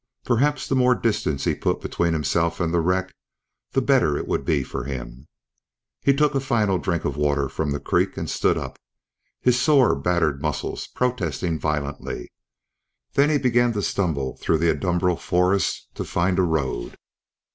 Perhaps the more distance he put between himself and the wreck, the better it would be for him. He took a final drink of water from the creek and stood up, his sore, battered muscles protesting violently. Then he began to stumble through the adumbral forests to find a road.